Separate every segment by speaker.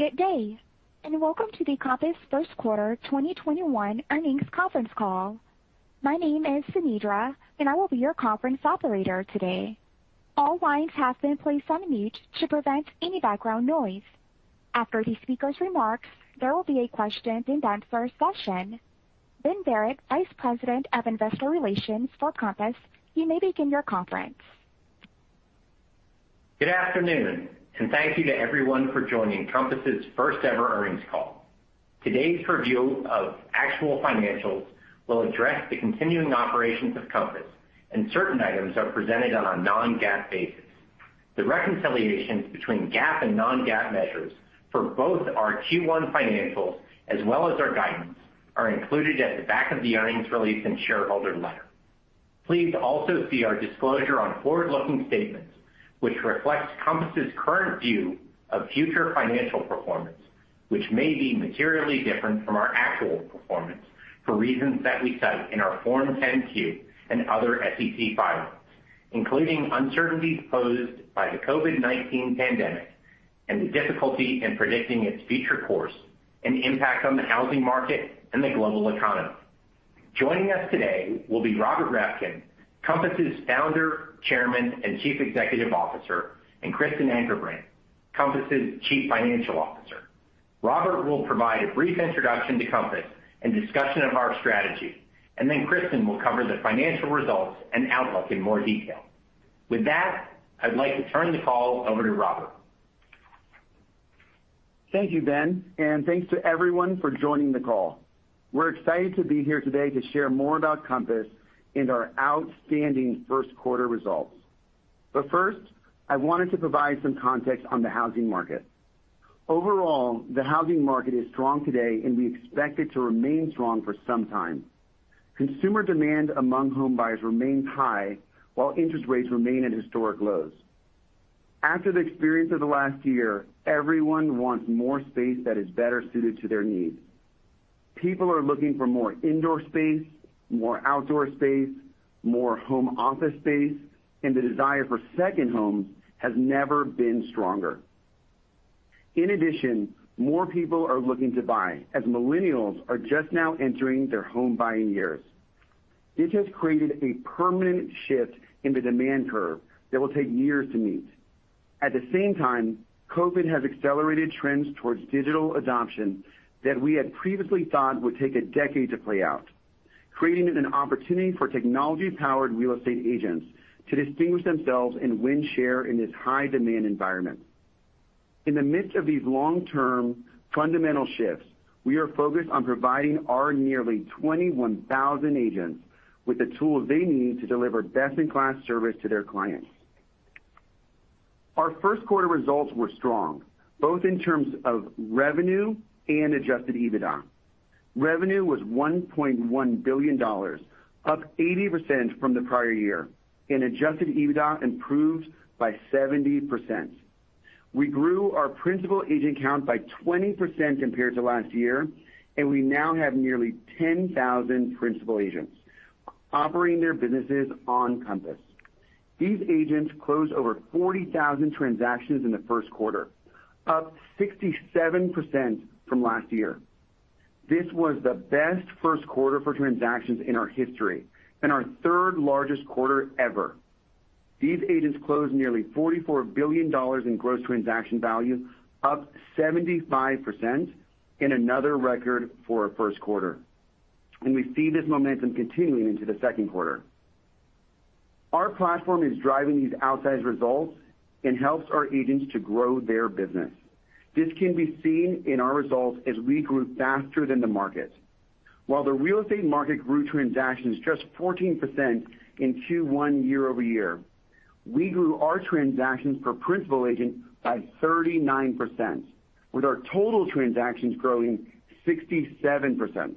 Speaker 1: Good day. Welcome to the Compass first quarter 2021 earnings conference call. My name is Synedra. I will be your conference operator today. All lines have been placed on mute to prevent any background noise. After the speakers' remarks, there will be a question and answer session. Ben Barrett, Vice President of Investor Relations for Compass, you may begin your conference.
Speaker 2: Good afternoon. Thank you to everyone for joining Compass' first-ever earnings call. Today's review of actual financials will address the continuing operations of Compass, and certain items are presented on a non-GAAP basis. The reconciliations between GAAP and non-GAAP measures for both our Q1 financials as well as our guidance are included at the back of the earnings release and shareholder letter. Please also see our disclosure on forward-looking statements, which reflects Compass' current view of future financial performance, which may be materially different from our actual performance for reasons that we cite in our Form 10-Q and other SEC filings, including uncertainties posed by the COVID-19 pandemic and the difficulty in predicting its future course and impact on the housing market and the global economy. Joining us today will be Robert Reffkin, Compass' founder, chairman, and chief executive officer, and Kristen Ankerbrandt, Compass' chief financial officer. Robert will provide a brief introduction to Compass and discussion of our strategy, and then Kristen will cover the financial results and outlook in more detail. With that, I'd like to turn the call over to Robert.
Speaker 3: Thank you, Ben, and thanks to everyone for joining the call. We're excited to be here today to share more about Compass and our outstanding first quarter results. First, I wanted to provide some context on the housing market. Overall, the housing market is strong today, and we expect it to remain strong for some time. Consumer demand among home buyers remains high while interest rates remain at historic lows. After the experience of the last year, everyone wants more space that is better suited to their needs. People are looking for more indoor space, more outdoor space, more home office space, and the desire for second homes has never been stronger. In addition, more people are looking to buy as millennials are just now entering their home-buying years. This has created a permanent shift in the demand curve that will take years to meet. At the same time, COVID-19 has accelerated trends towards digital adoption that we had previously thought would take a decade to play out, creating an opportunity for technology-powered real estate agents to distinguish themselves and win share in this high-demand environment. In the midst of these long-term fundamental shifts, we are focused on providing our nearly 21,000 agents with the tools they need to deliver best-in-class service to their clients. Our first quarter results were strong, both in terms of revenue and adjusted EBITDA. Revenue was $1.1 billion, up 80% from the prior year, and adjusted EBITDA improved by 70%. We grew our principal agent count by 20% compared to last year, and we now have nearly 10,000 principal agents operating their businesses on Compass. These agents closed over 40,000 transactions in the first quarter, up 67% from last year. This was the best first quarter for transactions in our history and our third-largest quarter ever. These agents closed nearly $44 billion in gross transaction value, up 75%, and another record for a first quarter. We see this momentum continuing into the second quarter. Our platform is driving these outsized results and helps our agents to grow their business. This can be seen in our results as we grew faster than the market. While the real estate market grew transactions just 14% in Q1 year-over-year, we grew our transactions per principal agent by 39%, with our total transactions growing 67%.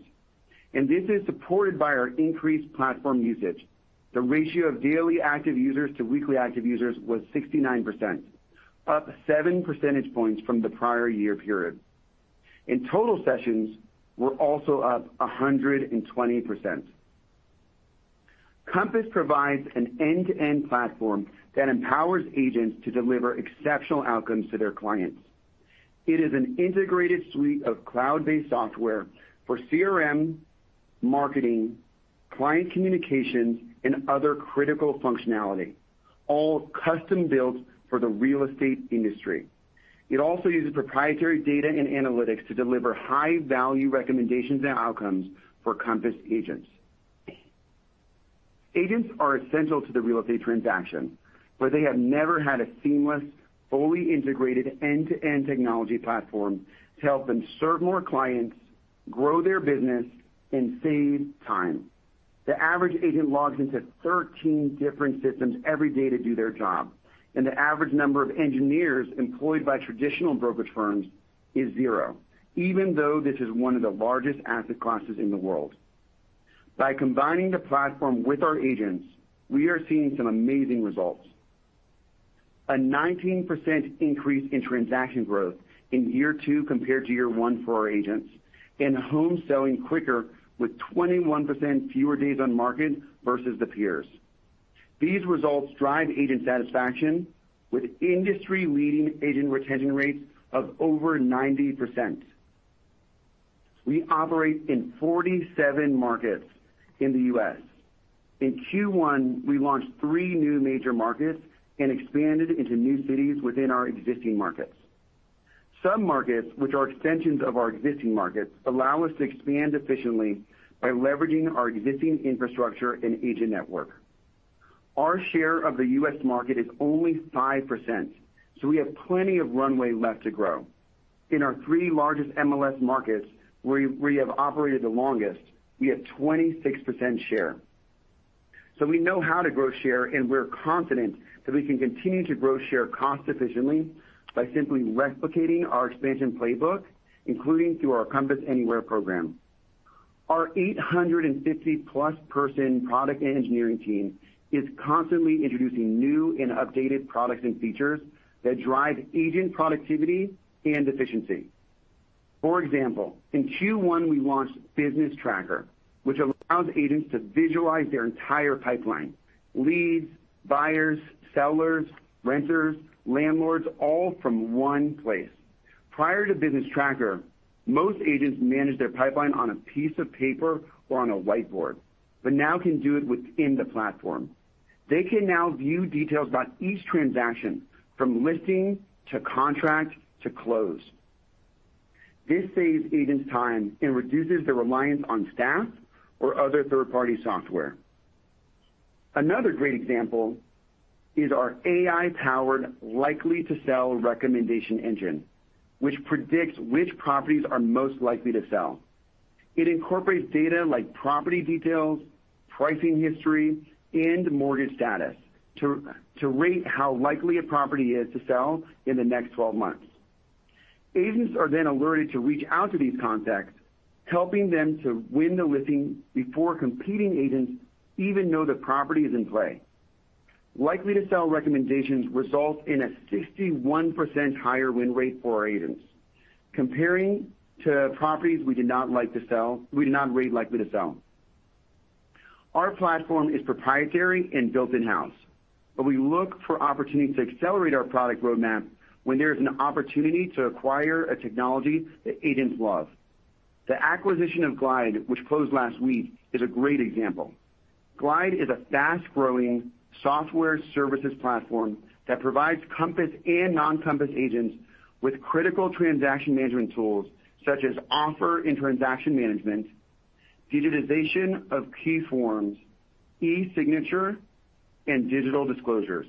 Speaker 3: This is supported by our increased platform usage. The ratio of daily active users to weekly active users was 69%, up seven percentage points from the prior year period, and total sessions were also up 120%. Compass provides an end-to-end platform that empowers agents to deliver exceptional outcomes to their clients. It is an integrated suite of cloud-based software for CRM, marketing, client communications, and other critical functionality, all custom-built for the real estate industry. It also uses proprietary data and analytics to deliver high-value recommendations and outcomes for Compass agents. Agents are essential to the real estate transaction, but they have never had a seamless, fully integrated end-to-end technology platform to help them serve more clients, grow their business, and save time. The average agent logs into 13 different systems every day to do their job, and the average number of engineers employed by traditional brokerage firms is zero, even though this is one of the largest asset classes in the world. By combining the platform with our agents, we are seeing some amazing results. A 19% increase in transaction growth in year two compared to year one for our agents and homes selling quicker with 21% fewer days on market versus the peers. These results drive agent satisfaction with industry-leading agent retention rates of over 90%. We operate in 47 markets in the U.S. In Q1, we launched three new major markets and expanded into new cities within our existing markets. Some markets, which are extensions of our existing markets, allow us to expand efficiently by leveraging our existing infrastructure and agent network. Our share of the U.S. market is only 5%, so we have plenty of runway left to grow. In our three largest MLS markets, where we have operated the longest, we have 26% share. We know how to grow share, and we're confident that we can continue to grow share cost efficiently by simply replicating our expansion playbook, including through our Compass Anywhere program. Our 850-plus person product engineering team is constantly introducing new and updated products and features that drive agent productivity and efficiency. For example, in Q1, we launched Business Tracker, which allows agents to visualize their entire pipeline, leads, buyers, sellers, renters, landlords, all from one place. Prior to Business Tracker, most agents managed their pipeline on a piece of paper or on a whiteboard, but now can do it within the platform. They can now view details about each transaction, from listing to contract to close. This saves agents time and reduces the reliance on staff or other third-party software. Another great example is our AI-powered Likely to Sell recommendation engine, which predicts which properties are most likely to sell. It incorporates data like property details, pricing history, and mortgage status to rate how likely a property is to sell in the next 12 months. Agents are then alerted to reach out to these contacts, helping them to win the listing before competing agents even know the property is in play. Likely to Sell recommendations result in a 61% higher win rate for our agents, comparing to properties we did not rate likely to sell. Our platform is proprietary and built in-house, but we look for opportunities to accelerate our product roadmap when there is an opportunity to acquire a technology that agents love. The acquisition of Glide, which closed last week, is a great example. Glide is a fast-growing software services platform that provides Compass and non-Compass agents with critical transaction management tools, such as offer and transaction management, digitization of key forms, e-signature, and digital disclosures.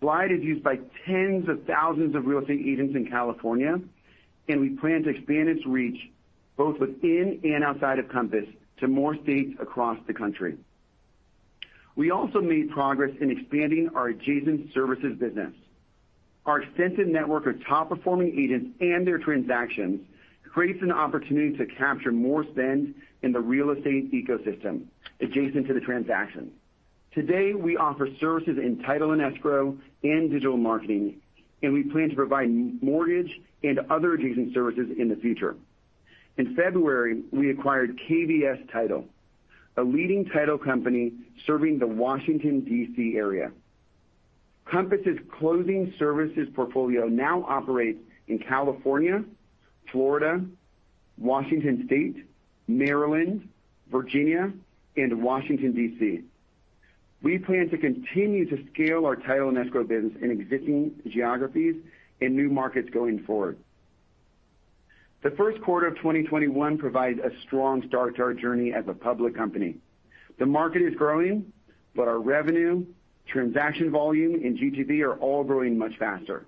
Speaker 3: Glide is used by tens of thousands of real estate agents in California, and we plan to expand its reach both within and outside of Compass to more states across the country. We also made progress in expanding our adjacent services business. Our extensive network of top-performing agents and their transactions creates an opportunity to capture more spend in the real estate ecosystem adjacent to the transaction. Today, we offer services in title and escrow and digital marketing, and we plan to provide mortgage and other adjacent services in the future. In February, we acquired KVS Title, a leading title company serving the Washington, D.C., area. Compass' closing services portfolio now operates in California, Florida, Washington State, Maryland, Virginia, and Washington, D.C. We plan to continue to scale our title and escrow business in existing geographies and new markets going forward. The first quarter of 2021 provides a strong start to our journey as a public company. The market is growing, but our revenue, transaction volume, and GTV are all growing much faster.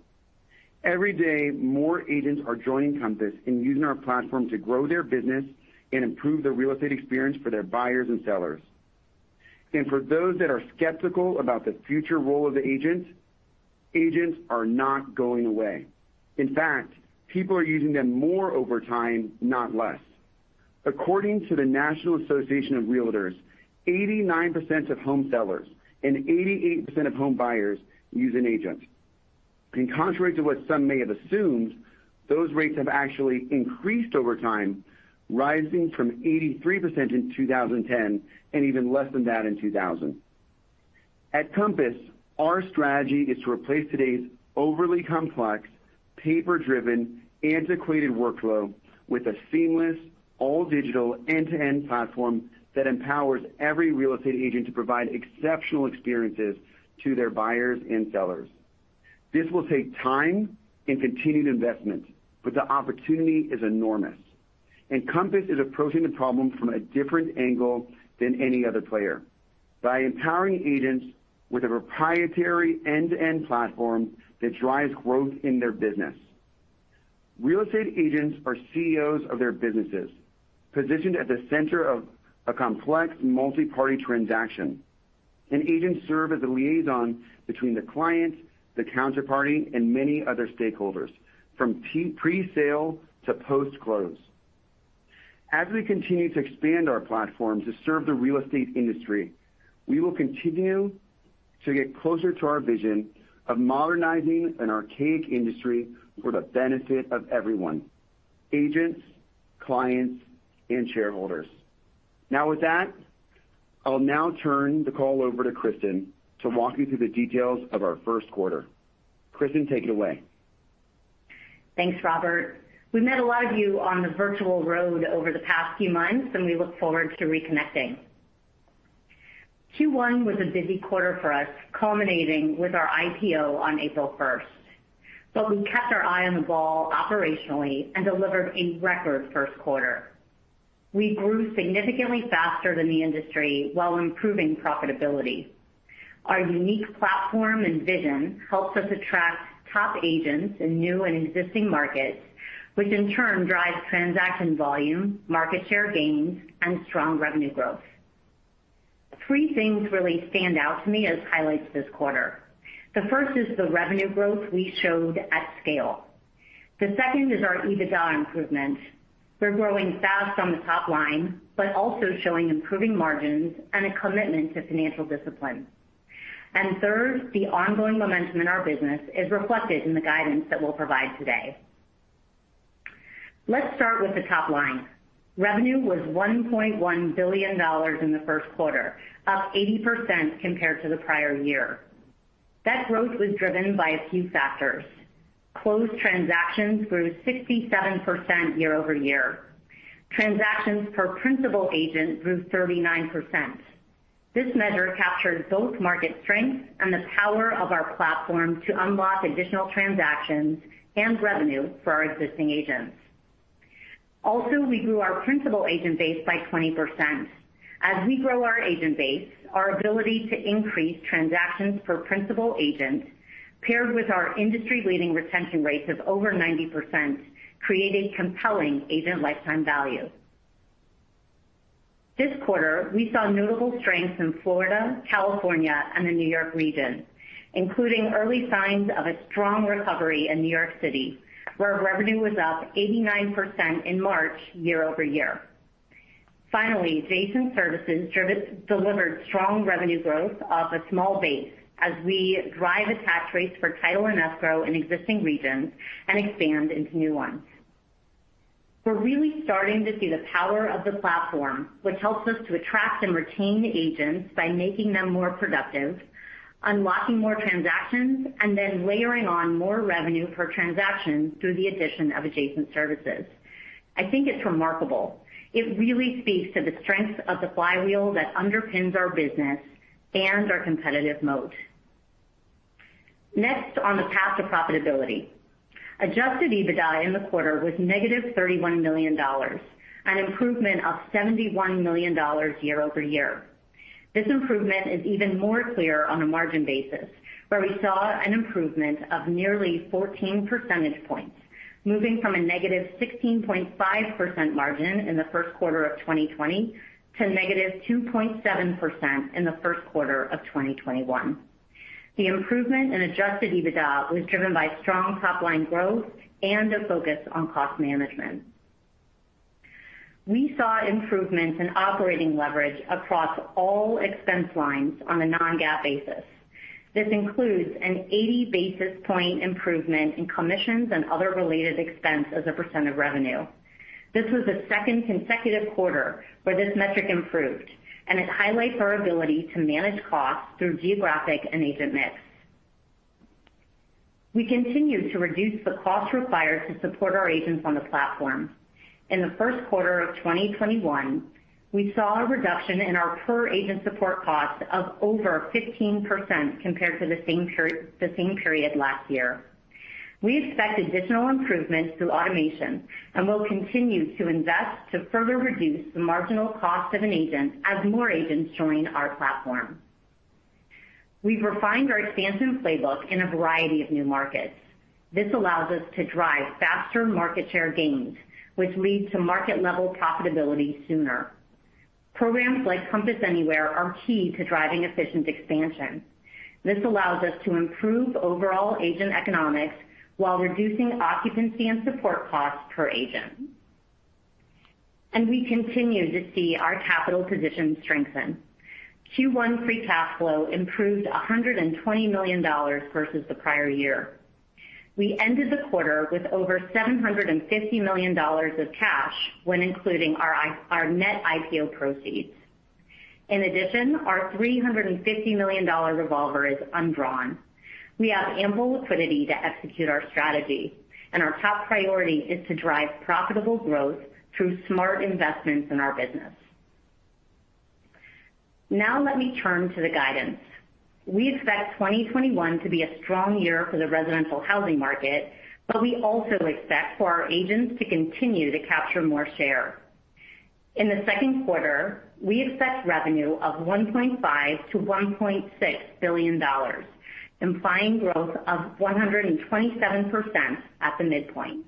Speaker 3: Every day, more agents are joining Compass and using our platform to grow their business and improve the real estate experience for their buyers and sellers. For those that are skeptical about the future role of agents are not going away. In fact, people are using them more over time, not less. According to the National Association of Realtors, 89% of home sellers and 88% of home buyers use an agent. Contrary to what some may have assumed, those rates have actually increased over time, rising from 83% in 2010 and even less than that in 2000. At Compass, our strategy is to replace today's overly complex, paper-driven, antiquated workflow with a seamless, all-digital, end-to-end platform that empowers every real estate agent to provide exceptional experiences to their buyers and sellers. This will take time and continued investment, but the opportunity is enormous. Compass is approaching the problem from a different angle than any other player by empowering agents with a proprietary end-to-end platform that drives growth in their business. Real estate agents are CEOs of their businesses, positioned at the center of a complex multi-party transaction. Agents serve as a liaison between the clients, the counterparty, and many other stakeholders from pre-sale to post-close. As we continue to expand our platform to serve the real estate industry, we will continue to get closer to our vision of modernizing an archaic industry for the benefit of everyone, Agents, clients, and shareholders. Now with that, I'll now turn the call over to Kristen to walk you through the details of our first quarter. Kristen, take it away.
Speaker 4: Thanks, Robert. We met a lot of you on the virtual road over the past few months, and we look forward to reconnecting. Q1 was a busy quarter for us, culminating with our IPO on April 1st. We kept our eye on the ball operationally and delivered a record first quarter. We grew significantly faster than the industry while improving profitability. Our unique platform and vision helps us attract top agents in new and existing markets, which in turn drives transaction volume, market share gains, and strong revenue growth. Three things really stand out to me as highlights this quarter. The first is the revenue growth we showed at scale. The second is our EBITDA improvement. We're growing fast on the top line, but also showing improving margins and a commitment to financial discipline. Third, the ongoing momentum in our business is reflected in the guidance that we'll provide today. Let's start with the top line. Revenue was $1.1 billion in the first quarter, up 80% compared to the prior year. That growth was driven by a few factors. Closed transactions grew 67% year-over-year. Transactions per principal agent grew 39%. This measure captured both market strength and the power of our platform to unlock additional transactions and revenue for our existing agents. Also, we grew our principal agent base by 20%. As we grow our agent base, our ability to increase transactions per principal agent, paired with our industry-leading retention rates of over 90%, created compelling agent lifetime value. This quarter, we saw notable strength in Florida, California, and the New York region, including early signs of a strong recovery in New York City, where revenue was up 89% in March year-over-year. Finally, adjacent services delivered strong revenue growth off a small base as we drive attach rates for title and escrow in existing regions and expand into new ones. We're really starting to see the power of the platform, which helps us to attract and retain agents by making them more productive, unlocking more transactions, and then layering on more revenue per transaction through the addition of adjacent services. I think it's remarkable. It really speaks to the strength of the flywheel that underpins our business and our competitive moat. Next on the path to profitability. Adjusted EBITDA in the quarter was negative $31 million, an improvement of $71 million year-over-year. This improvement is even more clear on a margin basis, where we saw an improvement of nearly 14 percentage points, moving from a negative 16.5% margin in the first quarter of 2020 to negative 2.7% in the first quarter of 2021. The improvement in adjusted EBITDA was driven by strong top-line growth and a focus on cost management. We saw improvements in operating leverage across all expense lines on a non-GAAP basis. This includes an 80-basis point improvement in commissions and other related expense as a percent of revenue. This was the second consecutive quarter where this metric improved. It highlights our ability to manage costs through geographic and agent mix. We continue to reduce the cost required to support our agents on the platform. In the first quarter of 2021, we saw a reduction in our per-agent support cost of over 15% compared to the same period last year. We expect additional improvements through automation and will continue to invest to further reduce the marginal cost of an agent as more agents join our platform. We've refined our expansion playbook in a variety of new markets. This allows us to drive faster market share gains, which lead to market-level profitability sooner. Programs like Compass Anywhere are key to driving efficient expansion. This allows us to improve overall agent economics while reducing occupancy and support costs per agent. We continue to see our capital position strengthen. Q1 free cash flow improved $120 million versus the prior year. We ended the quarter with over $750 million of cash when including our net IPO proceeds. In addition, our $350 million revolver is undrawn. We have ample liquidity to execute our strategy, and our top priority is to drive profitable growth through smart investments in our business. Let me turn to the guidance. We expect 2021 to be a strong year for the residential housing market, but we also expect for our agents to continue to capture more share. In the second quarter, we expect revenue of $1.5 to 1.6 billion, implying growth of 127% at the midpoint.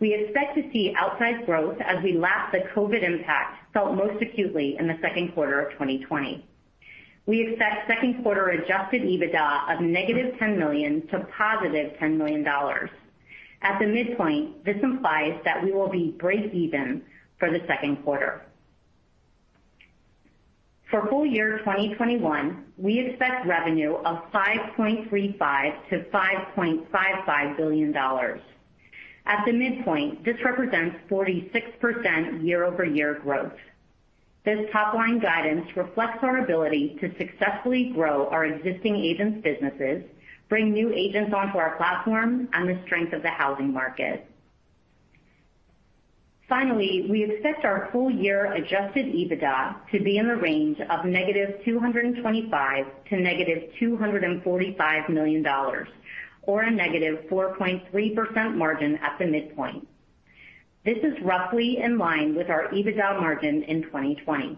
Speaker 4: We expect to see outsized growth as we lap the COVID impact felt most acutely in the second quarter of 2020. We expect second quarter adjusted EBITDA of negative $10 million to positive $10 million. At the midpoint, this implies that we will be breakeven for the second quarter. For full year 2021, we expect revenue of $5.35 to 5.55 billion. At the midpoint, this represents 46% year-over-year growth. This top-line guidance reflects our ability to successfully grow our existing agents' businesses, bring new agents onto our platform, and the strength of the housing market. We expect our full-year adjusted EBITDA to be in the range of -$225 to -245 million, or a -4.3% margin at the midpoint. This is roughly in line with our EBITDA margin in 2020.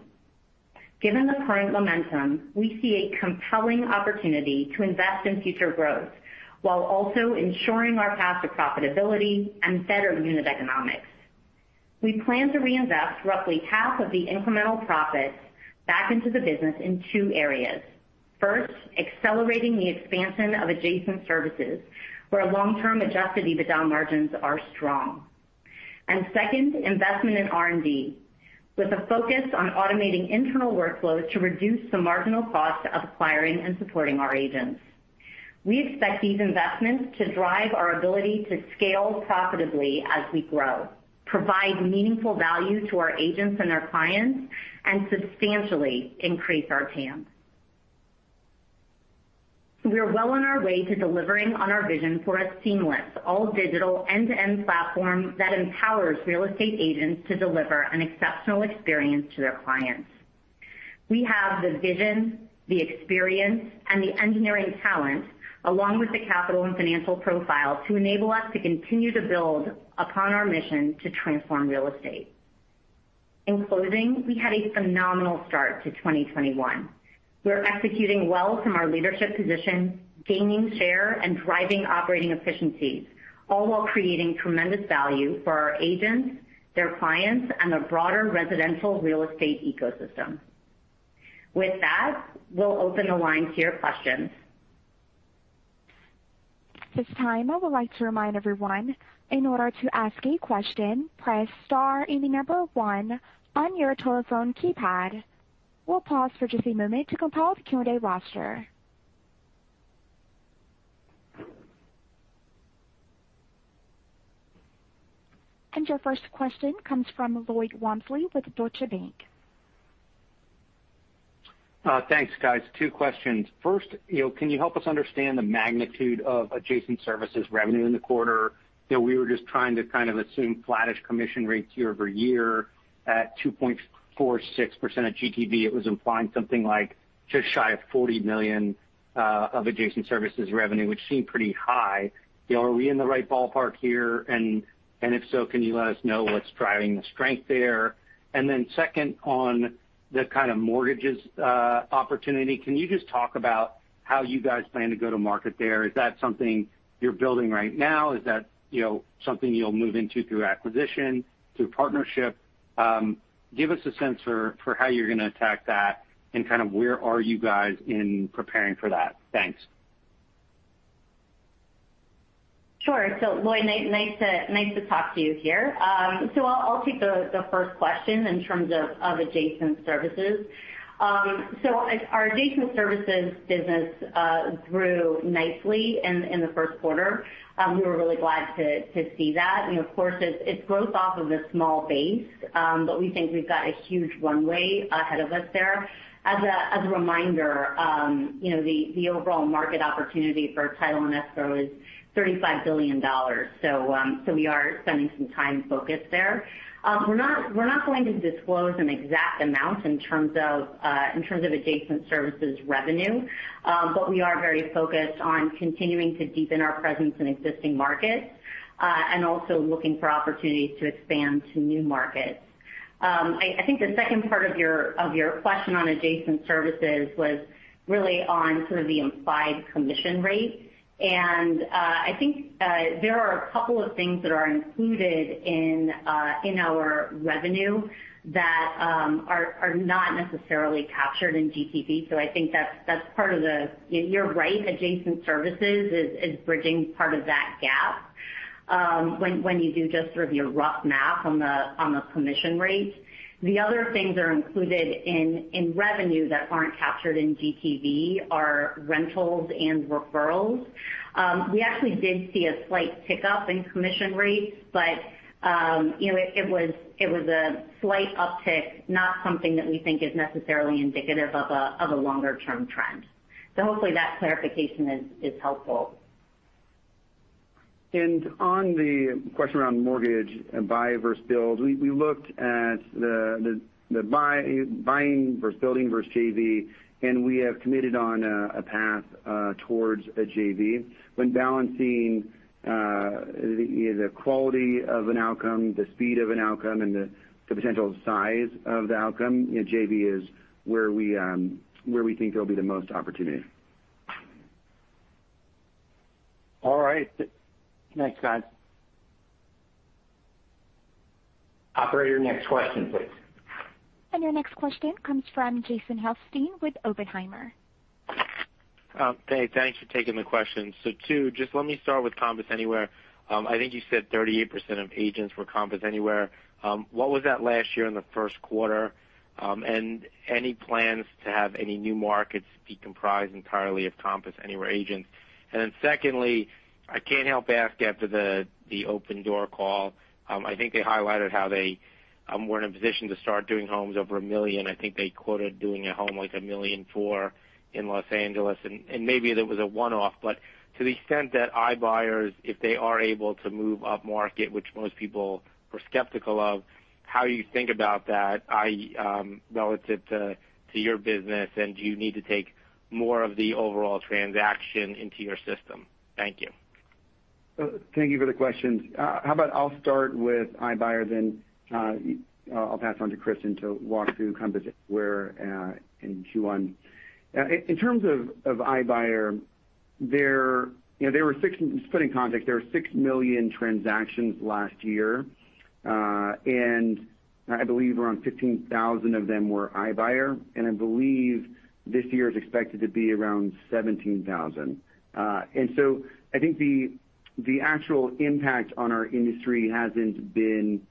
Speaker 4: Given the current momentum, we see a compelling opportunity to invest in future growth while also ensuring our path to profitability and better unit economics. We plan to reinvest roughly half of the incremental profits back into the business in two areas. First, accelerating the expansion of adjacent services, where long-term adjusted EBITDA margins are strong. Second, investment in R&D, with a focus on automating internal workflows to reduce the marginal cost of acquiring and supporting our agents. We expect these investments to drive our ability to scale profitably as we grow, provide meaningful value to our agents and our clients, and substantially increase our TAM. We are well on our way to delivering on our vision for a seamless, all-digital, end-to-end platform that empowers real estate agents to deliver an exceptional experience to their clients. We have the vision, the experience, and the engineering talent, along with the capital and financial profile, to enable us to continue to build upon our mission to transform real estate. In closing, we had a phenomenal start to 2021. We are executing well from our leadership position, gaining share and driving operating efficiencies, all while creating tremendous value for our agents, their clients, and the broader residential real estate ecosystem. With that, we'll open the line to your questions.
Speaker 1: At this time, I would like to remind everyone, in order to ask a question, press star and the number 1 on your telephone keypad. We'll pause for just a moment to compile the Q&A roster. Your first question comes from Lloyd Walmsley with Deutsche Bank.
Speaker 5: Thanks, guys. Two questions. First, can you help us understand the magnitude of adjacent services revenue in the quarter? We were just trying to kind of assume flattish commission rates year-over-year at 2.46% of GTV. It was implying something like just shy of $40 million of adjacent services revenue, which seemed pretty high. Are we in the right ballpark here? If so, can you let us know what's driving the strength there? Then second, on the kind of mortgages opportunity, can you just talk about how you guys plan to go to market there? Is that something you're building right now? Is that something you'll move into through acquisition, through partnership? Give us a sense for how you're going to attack that, and kind of where are you guys in preparing for that. Thanks.
Speaker 4: Sure. Lloyd, nice to talk to you here. I'll take the first question in terms of adjacent services. Our adjacent services business grew nicely in the first quarter. We were really glad to see that. Of course, it's growth off of a small base, but we think we've got a huge runway ahead of us there. As a reminder, the overall market opportunity for title and escrow is $35 billion. We are spending some time focused there. We're not going to disclose an exact amount in terms of adjacent services revenue, but we are very focused on continuing to deepen our presence in existing markets, and also looking for opportunities to expand to new markets. I think the second part of your question on adjacent services was really on sort of the implied commission rate. I think there are a couple of things that are included in our revenue that are not necessarily captured in GTV. You're right, adjacent services is bridging part of that gap when you do just sort of your rough math on the commission rates. The other things that are included in revenue that aren't captured in GTV are rentals and referrals. We actually did see a slight tick-up in commission rates, but it was a slight uptick, not something that we think is necessarily indicative of a longer-term trend. Hopefully that clarification is helpful.
Speaker 3: On the question around mortgage, buy versus build, we looked at the buying versus building versus JV, and we have committed on a path towards a JV. When balancing the quality of an outcome, the speed of an outcome, and the potential size of the outcome, JV is where we think there'll be the most opportunity.
Speaker 5: All right. Thanks, guys.
Speaker 4: Operator, next question, please.
Speaker 1: Your next question comes from Jason Helfstein with Oppenheimer.
Speaker 6: Two, just let me start with Compass Anywhere. I think you said 38% of agents were Compass Anywhere. What was that last year in the first quarter? Any plans to have any new markets be comprised entirely of Compass Anywhere agents? Secondly, I can't help ask after the Opendoor call. I think they highlighted how they were in a position to start doing homes over $1 million. I think they quoted doing a home like $1.4 million in Los Angeles, maybe that was a one-off. To the extent that iBuyers, if they are able to move up market, which most people were skeptical of, how you think about that relative to your business, do you need to take more of the overall transaction into your system? Thank you.
Speaker 3: Thank you for the questions. How about I'll start with iBuyer, then I'll pass on to Kristen to walk through Compass Anywhere in Q1. In terms of iBuyer, just put it in context, there were six million transactions last year. I believe around 15,000 of them were iBuyer. I believe this year is expected to be around 17,000. I think the actual impact on our industry hasn't been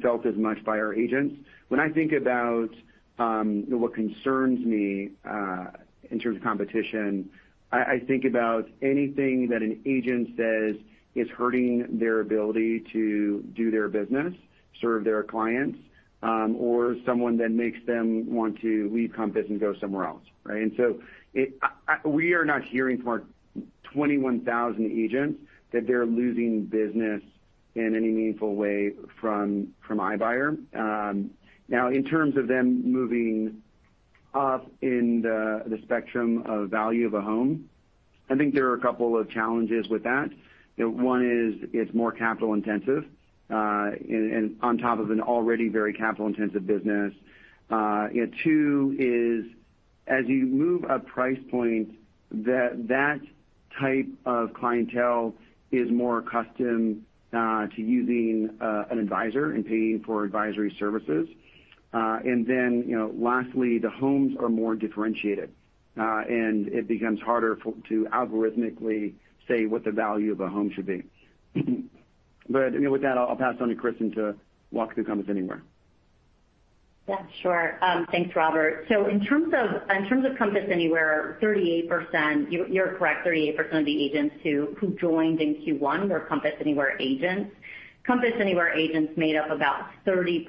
Speaker 3: felt as much by our agents. When I think about what concerns me in terms of competition, I think about anything that an agent says is hurting their ability to do their business, serve their clients. Someone that makes them want to leave Compass and go somewhere else, right? We are not hearing from our 21,000 agents that they're losing business in any meaningful way from iBuyer. In terms of them moving up in the spectrum of value of a home, I think there are a couple of challenges with that. One is it's more capital intensive, on top of an already very capital-intensive business. Two is as you move up price points, that type of clientele is more accustomed to using an advisor and paying for advisory services. Then lastly, the homes are more differentiated. It becomes harder to algorithmically say what the value of a home should be. With that, I'll pass on to Kristen to walk through Compass Anywhere.
Speaker 4: Yeah, sure. Thanks, Robert. In terms of Compass Anywhere, 38%, you're correct, 38% of the agents who joined in Q1 were Compass Anywhere agents. Compass Anywhere agents made up about 30%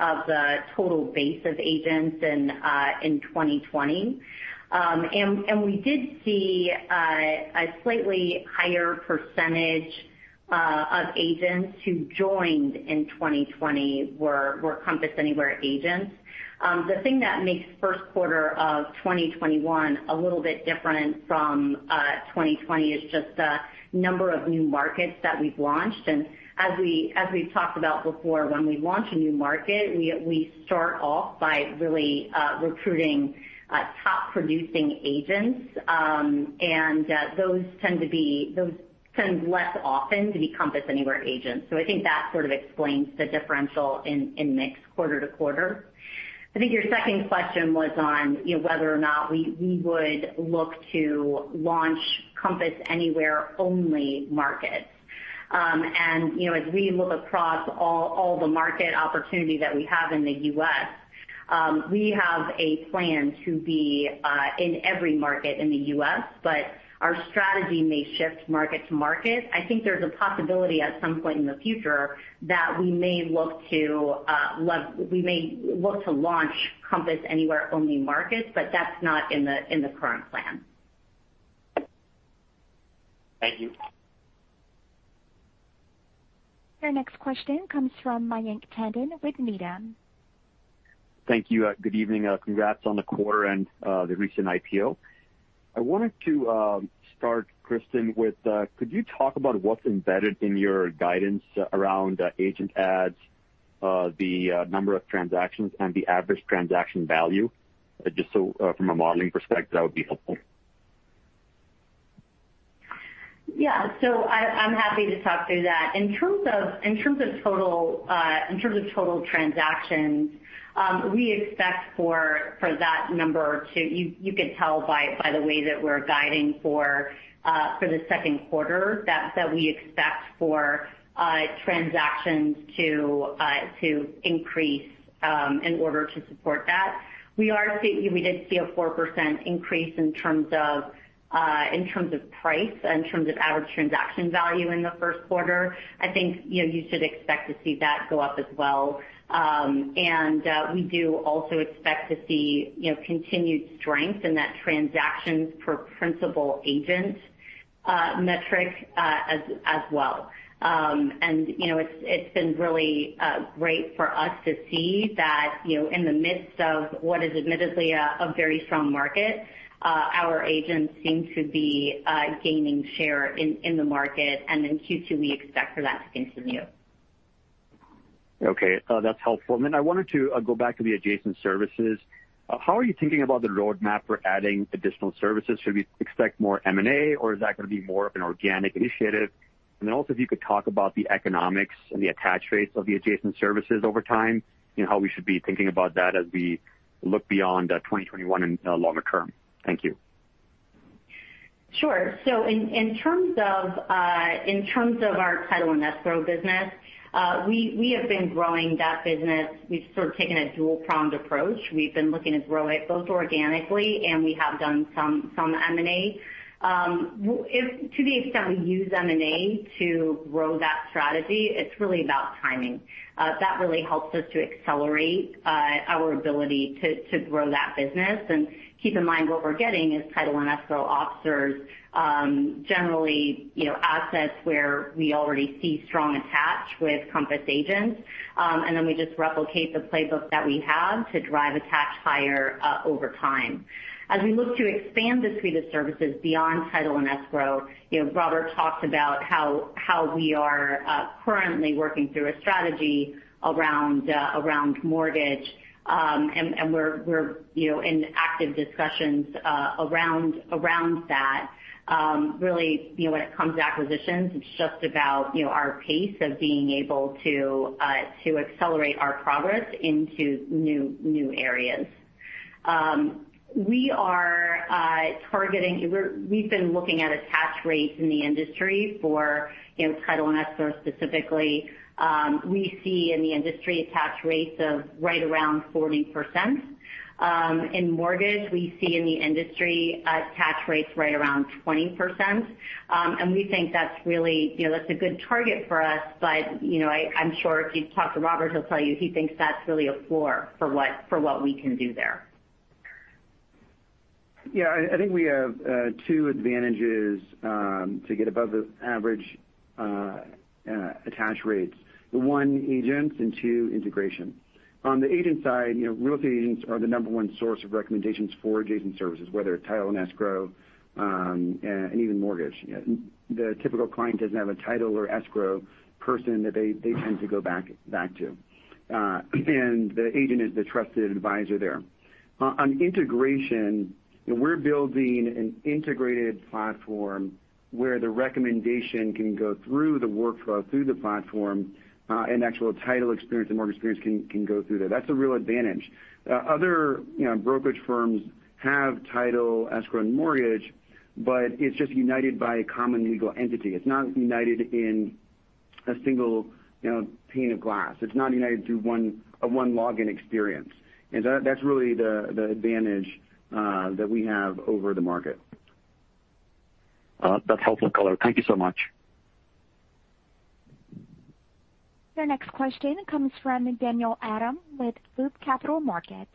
Speaker 4: of the total base of agents in 2020. We did see a slightly higher percentage of agents who joined in 2020 were Compass Anywhere agents. The thing that makes first quarter of 2021 a little bit different from 2020 is just the number of new markets that we've launched. As we've talked about before, when we launch a new market, we start off by really recruiting top-producing agents. Those tend less often to be Compass Anywhere agents. I think that sort of explains the differential in mix quarter to quarter. I think your second question was on whether or not we would look to launch Compass Anywhere-only markets. As we look across all the market opportunity that we have in the U.S., we have a plan to be in every market in the U.S., but our strategy may shift market to market. I think there's a possibility at some point in the future that we may look to launch Compass Anywhere-only markets, but that's not in the current plan.
Speaker 6: Thank you.
Speaker 1: Your next question comes from Mayank Tandon with Needham.
Speaker 7: Thank you. Good evening. Congrats on the quarter and the recent IPO. I wanted to start, Kristen, with could you talk about what's embedded in your guidance around agent adds, the number of transactions, and the average transaction value? Just so from a modeling perspective, that would be helpful.
Speaker 4: Yeah. I'm happy to talk through that. In terms of total transactions, we expect for that number. You could tell by the way that we're guiding for the second quarter, that we expect for transactions to increase in order to support that. We did see a 4% increase in terms of price, in terms of average transaction value in the first quarter. I think you should expect to see that go up as well. We do also expect to see continued strength in that transactions per principal agent metric as well. It's been really great for us to see that in the midst of what is admittedly a very strong market, our agents seem to be gaining share in the market, and in Q2, we expect for that to continue.
Speaker 7: Okay. That's helpful. I wanted to go back to the adjacent services. How are you thinking about the roadmap for adding additional services? Should we expect more M&A, or is that going to be more of an organic initiative? If you could talk about the economics and the attach rates of the adjacent services over time, how we should be thinking about that as we look beyond 2021 and longer term. Thank you.
Speaker 4: Sure. In terms of our title and escrow business, we have been growing that business. We've sort of taken a dual-pronged approach. We've been looking to grow it both organically, and we have done some M&A. To the extent we use M&A to grow that strategy, it's really about timing. That really helps us to accelerate our ability to grow that business. Keep in mind, what we're getting is title and escrow officers, generally, assets where we already see strong attach with Compass agents. We just replicate the playbook that we have to drive attach higher over time. As we look to expand the suite of services beyond title and escrow, Robert talked about how we are currently working through a strategy around mortgage, and we're in active discussions around that. Really, when it comes to acquisitions, it's just about our pace of being able to accelerate our progress into new areas. We've been looking at attach rates in the industry for title and escrow specifically. We see in the industry attach rates of right around 40%. In mortgage, we see in the industry attach rates right around 20%, and we think that's a good target for us. I'm sure if you talk to Robert, he'll tell you he thinks that's really a floor for what we can do there.
Speaker 3: Yeah, I think we have two advantages to get above the average attach rates. One, agents, and two, integration. On the agent side, real estate agents are the number one source of recommendations for adjacent services, whether title and escrow, and even mortgage. The typical client doesn't have a title or escrow person that they tend to go back to. The agent is the trusted advisor there. On integration, we're building an integrated platform where the recommendation can go through the workflow, through the platform, and actual title experience and mortgage experience can go through there. That's a real advantage. Other brokerage firms have title, escrow, and mortgage, but it's just united by a common legal entity. It's not united in a single pane of glass. It's not united through a one login experience. That's really the advantage that we have over the market.
Speaker 7: That's helpful color. Thank you so much.
Speaker 1: Your next question comes from Daniel Adam with Loop Capital Markets.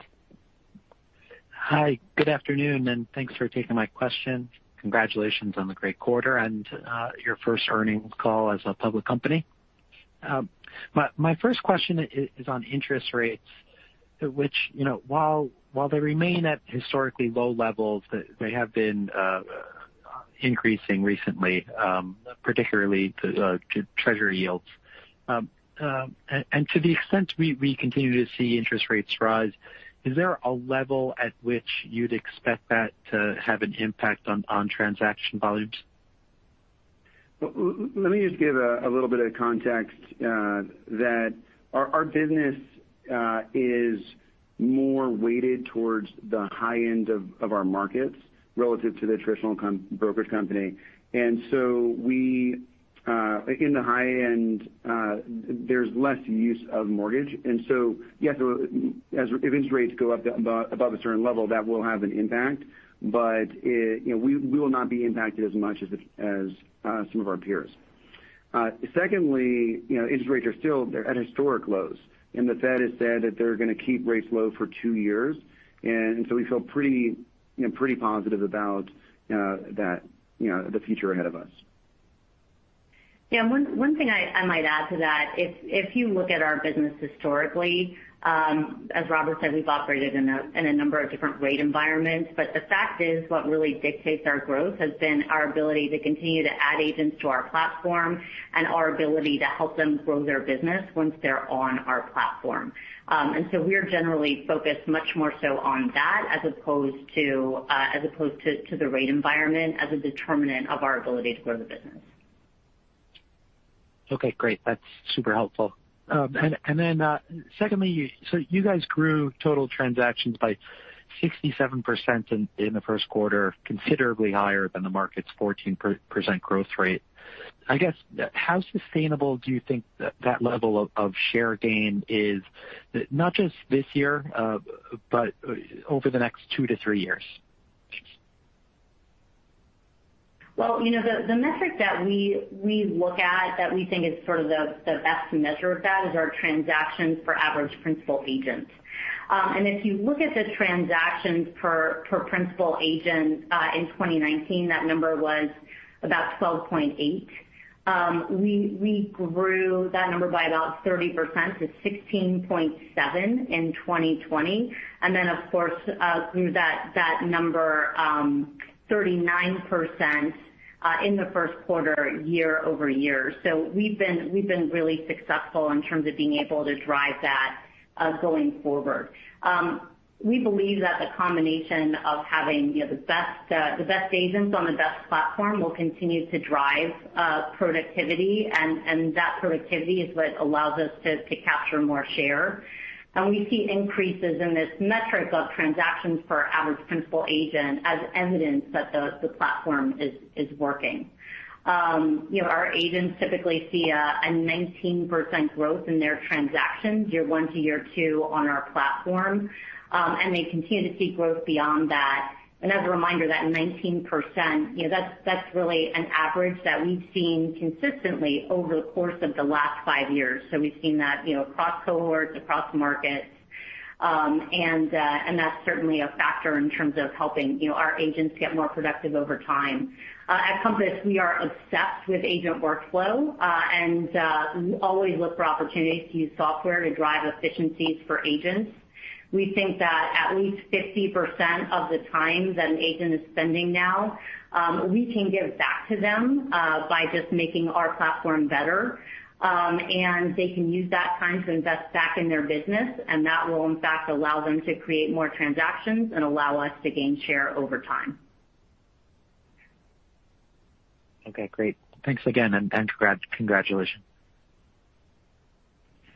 Speaker 8: Hi, good afternoon, thanks for taking my question. Congratulations on the great quarter and your first earnings call as a public company. My first question is on interest rates. Which, while they remain at historically low levels, they have been increasing recently, particularly to treasury yields. To the extent we continue to see interest rates rise, is there a level at which you'd expect that to have an impact on transaction volumes?
Speaker 3: Let me just give a little bit of context, that our business is more weighted towards the high end of our markets relative to the traditional brokerage company. In the high end, there's less use of mortgage. Yes, as interest rates go up above a certain level, that will have an impact, but we will not be impacted as much as some of our peers. Secondly, interest rates are still at historic lows, and the Fed has said that they're going to keep rates low for two years. We feel pretty positive about the future ahead of us.
Speaker 4: Yeah. One thing I might add to that, if you look at our business historically, as Robert said, we've operated in a number of different rate environments. The fact is what really dictates our growth has been our ability to continue to add agents to our platform and our ability to help them grow their business once they're on our platform. We're generally focused much more so on that, as opposed to the rate environment as a determinant of our ability to grow the business.
Speaker 8: Okay, great. That's super helpful. Then secondly, you guys grew total transactions by 67% in the first quarter, considerably higher than the market's 14% growth rate. I guess, how sustainable do you think that level of share gain is, not just this year, but over the next two to three years?
Speaker 4: The metric that we look at that we think is sort of the best measure of that is our transactions for average principal agents. If you look at the transactions per principal agent in 2019, that number was about 12.8. We grew that number by about 30% to 16.7 in 2020. Of course, grew that number 39% in the first quarter year-over-year. We've been really successful in terms of being able to drive that going forward. We believe that the combination of having the best agents on the best platform will continue to drive productivity, and that productivity is what allows us to capture more share. We see increases in this metric of transactions per average principal agent as evidence that the platform is working. Our agents typically see a 19% growth in their transactions year one to year two on our platform. They continue to see growth beyond that. As a reminder, that 19%, that's really an average that we've seen consistently over the course of the last five years. We've seen that across cohorts, across markets, and that's certainly a factor in terms of helping our agents get more productive over time. At Compass, we are obsessed with agent workflow, and we always look for opportunities to use software to drive efficiencies for agents. We think that at least 50% of the time that an agent is spending now, we can give back to them by just making our platform better. They can use that time to invest back in their business, and that will, in fact, allow them to create more transactions and allow us to gain share over time.
Speaker 8: Okay, great. Thanks again, and congratulations.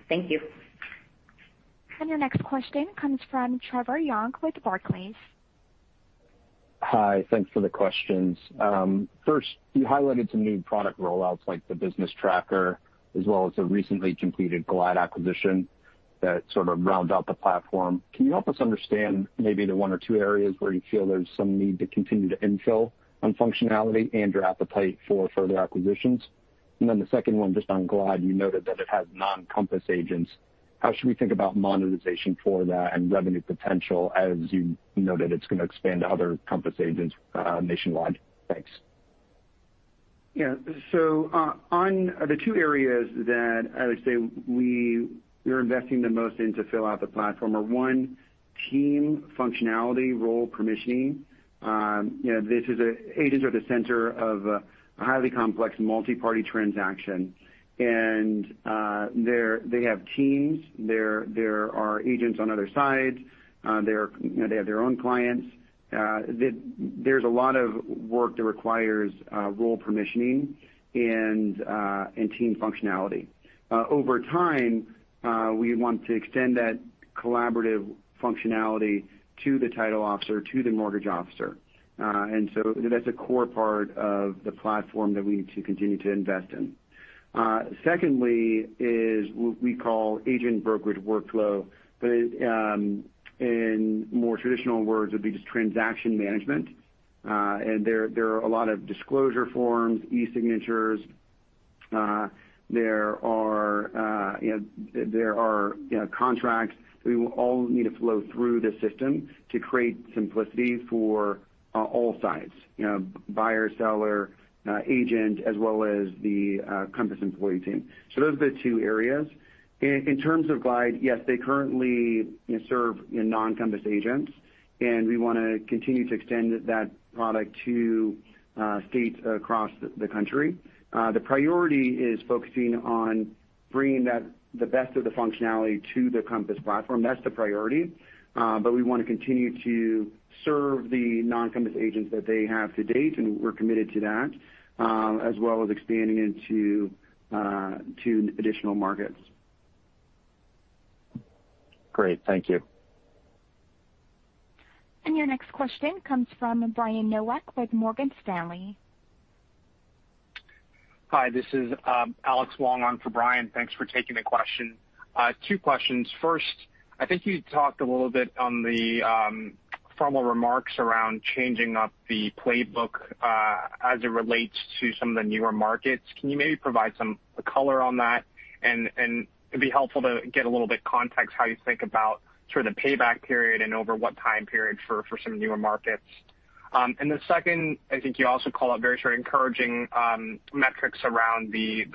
Speaker 4: Thank you.
Speaker 1: Your next question comes from Trevor Young with Barclays.
Speaker 9: Hi. Thanks for the questions. First, you highlighted some new product rollouts, like the Business Tracker, as well as the recently completed Glide acquisition, that sort of round out the platform. Can you help us understand maybe the one or two areas where you feel there's some need to continue to infill on functionality and your appetite for further acquisitions? The second one, just on Glide, you noted that it has non-Compass agents. How should we think about monetization for that and revenue potential as you noted it's going to expand to other Compass agents nationwide? Thanks.
Speaker 3: Yeah. On the two areas that I would say we are investing the most in to fill out the platform are, one, team functionality, role permissioning. Agents are the center of a highly complex multi-party transaction. They have teams. There are agents on other sides. They have their own clients. There's a lot of work that requires role permissioning and team functionality. Over time, we want to extend that collaborative functionality to the title officer, to the mortgage officer. That's a core part of the platform that we need to continue to invest in. Secondly is what we call agent brokerage workflow. In more traditional words, it would be just transaction management. There are a lot of disclosure forms, e-signatures. There are contracts that will all need to flow through the system to create simplicity for all sides: buyer, seller, agent, as well as the Compass employee team. Those are the two areas. In terms of Glide, yes, they currently serve non-Compass agents, and we want to continue to extend that product to states across the country. The priority is focusing on bringing the best of the functionality to the Compass platform. That's the priority. We want to continue to serve the non-Compass agents that they have to date, and we're committed to that, as well as expanding into additional markets.
Speaker 9: Great. Thank you.
Speaker 1: Your next question comes from Brian Nowak with Morgan Stanley.
Speaker 10: Hi, this is Alex Wong on for Brian. Thanks for taking the question. Two questions. First, I think you talked a little bit on the formal remarks around changing up the playbook, as it relates to some of the newer markets. Can you maybe provide some color on that? It'd be helpful to get a little bit of context how you think about sort of the payback period and over what time period for some newer markets. The second, I think you also called out very sort of encouraging metrics around the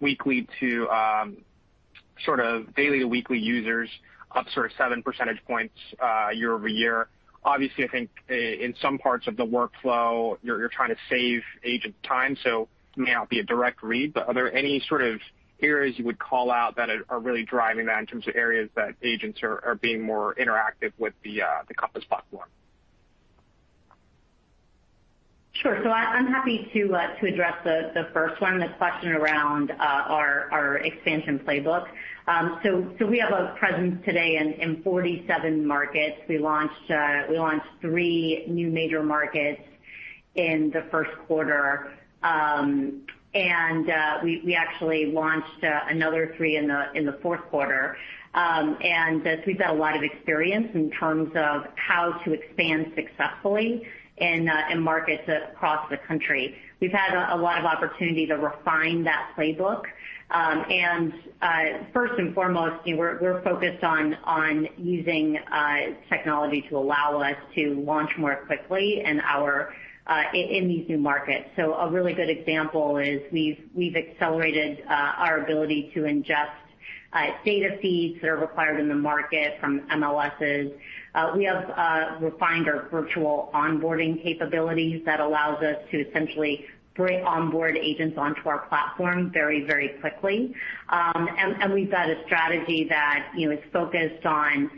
Speaker 10: weekly to sort of daily to weekly users up sort of seven percentage points year-over-year. Obviously, I think in some parts of the workflow, you're trying to save agent time, so it may not be a direct read, but are there any sort of areas you would call out that are really driving that in terms of areas that agents are being more interactive with the Compass platform?
Speaker 4: Sure. I'm happy to address the first one, the question around our expansion playbook. We have a presence today in 47 markets. We launched three new major markets in the first quarter. We actually launched another three in the fourth quarter. We've got a lot of experience in terms of how to expand successfully in markets across the country. We've had a lot of opportunity to refine that playbook. First and foremost, we're focused on using technology to allow us to launch more quickly in these new markets. A really good example is we've accelerated our ability to ingest data feeds that are required in the market from MLSs. We have refined our virtual onboarding capabilities that allows us to essentially bring onboard agents onto our platform very quickly. We've got a strategy that is focused on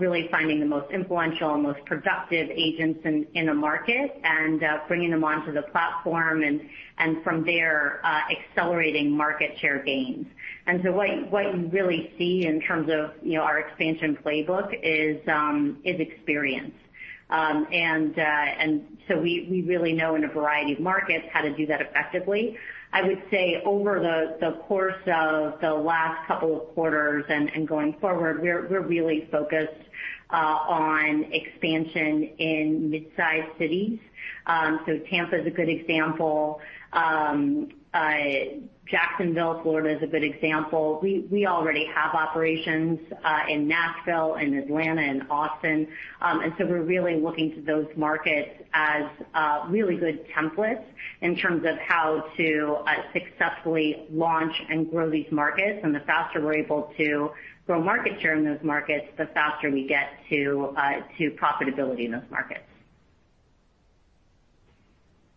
Speaker 4: really finding the most influential and most productive agents in a market and bringing them onto the platform, and from there, accelerating market share gains. What you really see in terms of our expansion playbook is we really know in a variety of markets how to do that effectively. I would say over the course of the last couple of quarters and going forward, we're really focused on expansion in mid-size cities. Tampa is a good example. Jacksonville, Florida, is a good example. We already have operations in Nashville, in Atlanta, and Austin. We're really looking to those markets as really good templates in terms of how to successfully launch and grow these markets. The faster we're able to grow market share in those markets, the faster we get to profitability in those markets.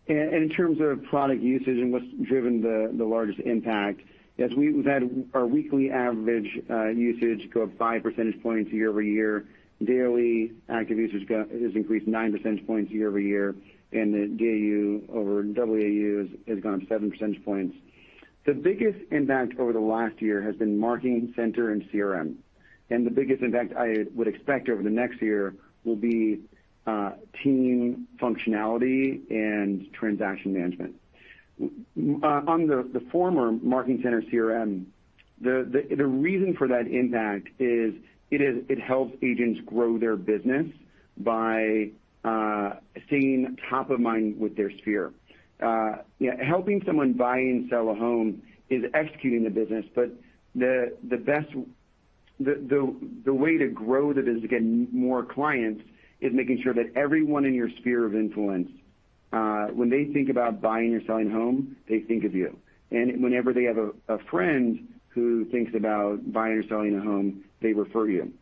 Speaker 3: In terms of product usage and what's driven the largest impact, as we've had our weekly average usage go up five percentage points year-over-year, daily active users has increased nine percentage points year-over-year, and the DAU over WAU has gone up seven percentage points. The biggest impact over the last year has been Marketing Center and CRM. The biggest impact I would expect over the next year will be team functionality and transaction management. On the former, Marketing Center, CRM, the reason for that impact is it helps agents grow their business by staying top of mind with their sphere. Helping someone buy and sell a home is executing the business, but the way to grow the business to get more clients is making sure that everyone in your sphere of influence, when they think about buying or selling a home, they think of you. Whenever they have a friend who thinks about buying or selling a home, they refer you.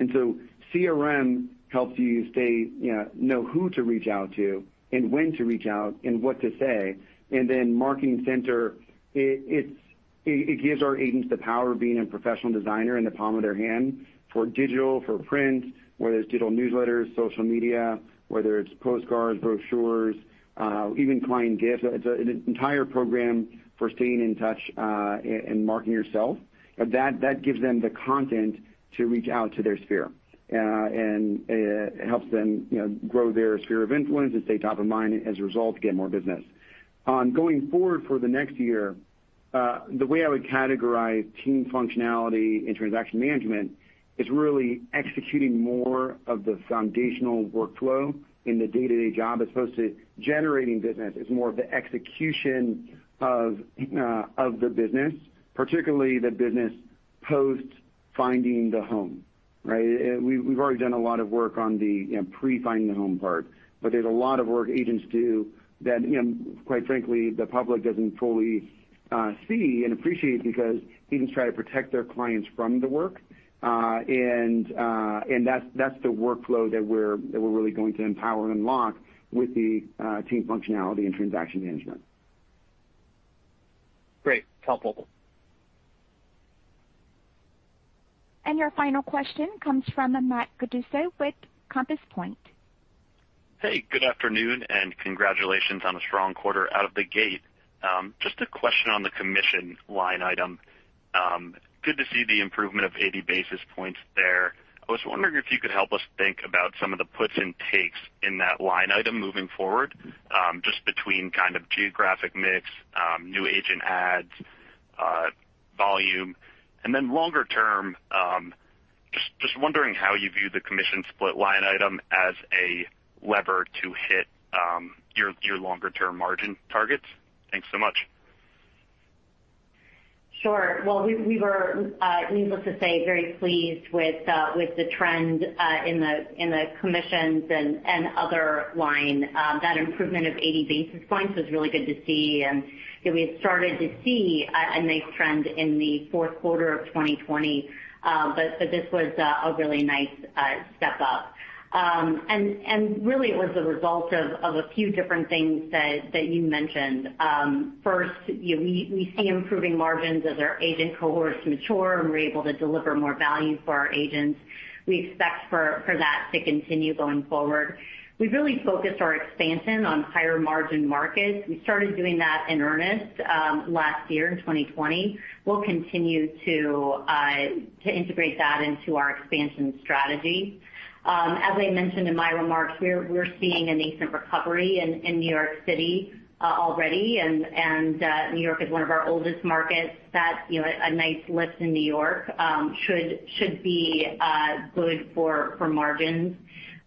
Speaker 3: CRM helps you know who to reach out to, and when to reach out, and what to say. Marketing Center, it gives our agents the power of being a professional designer in the palm of their hand for digital, for print, whether it's digital newsletters, social media, whether it's postcards, brochures, even client gifts. It's an entire program for staying in touch, and marketing yourself. That gives them the content to reach out to their sphere. It helps them grow their sphere of influence and stay top of mind, as a result, to get more business. Going forward for the next year, the way I would categorize team functionality and transaction management is really executing more of the foundational workflow in the day-to-day job, as opposed to generating business. It's more of the execution of the business, particularly the business post finding the home, right? We've already done a lot of work on the pre-finding the home part, but there's a lot of work agents do that, quite frankly, the public doesn't fully see and appreciate because agents try to protect their clients from the work. That's the workflow that we're really going to empower and unlock with the team functionality and transaction management.
Speaker 10: Great. Helpful.
Speaker 1: Your final question comes from Matt Howlett with Compass Point.
Speaker 11: Hey, good afternoon, and congratulations on a strong quarter out of the gate. Just a question on the commission line item. Good to see the improvement of 80 basis points there. I was wondering if you could help us think about some of the puts and takes in that line item moving forward, just between kind of geographic mix, new agent adds, volume. Longer term, just wondering how you view the commission split line item as a lever to hit your longer-term margin targets. Thanks so much.
Speaker 4: Sure. We were, needless to say, very pleased with the trend in the commissions and other line. That improvement of 80 basis points was really good to see, and we had started to see a nice trend in the fourth quarter of 2020. This was a really nice step up. Really, it was the result of a few different things that you mentioned. First, we see improving margins as our agent cohorts mature, and we're able to deliver more value for our agents. We expect for that to continue going forward. We've really focused our expansion on higher-margin markets. We started doing that in earnest last year in 2020. We'll continue to integrate that into our expansion strategy. As I mentioned in my remarks, we're seeing a nascent recovery in New York City already, and New York is one of our oldest markets. A nice lift in New York should be good for margins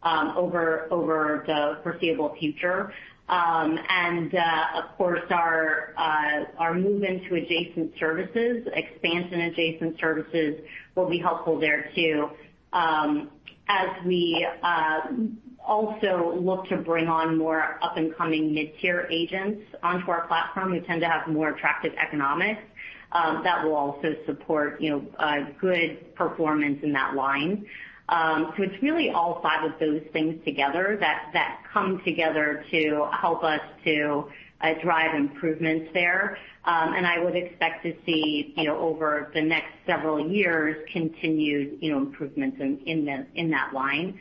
Speaker 4: over the foreseeable future. Of course, our move into adjacent services, expansion-adjacent services, will be helpful there, too. As we also look to bring on more up-and-coming mid-tier agents onto our platform, who tend to have more attractive economics, that will also support a good performance in that line. It's really all five of those things together that come together to help us to drive improvements there. I would expect to see over the next several years, continued improvements in that line.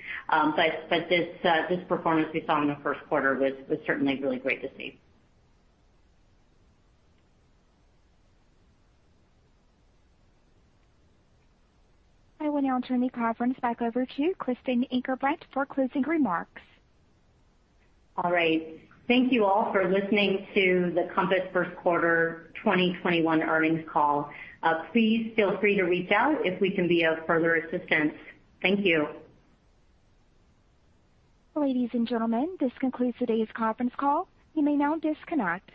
Speaker 4: This performance we saw in the first quarter was certainly really great to see.
Speaker 1: I will now turn the conference back over to Kristen Ankerbrandt for closing remarks.
Speaker 4: All right. Thank you all for listening to the Compass first quarter 2021 earnings call. Please feel free to reach out if we can be of further assistance. Thank you.
Speaker 1: Ladies and gentlemen, this concludes today's conference call. You may now disconnect.